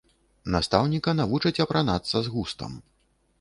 Настаўніка навучаць апранацца з густам.